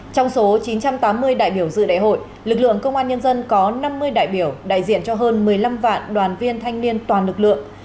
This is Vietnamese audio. trong số chín trăm tám mươi đại biểu dự đại hội lực lượng công an nhân dân có năm mươi đại biểu đại diện cho hơn một mươi năm vạn đoàn viên thanh niên toàn lực lượng